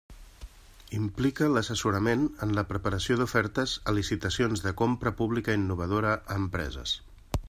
Implica l'assessorament en la preparació d'ofertes a licitacions de Compra Pública Innovadora a empreses.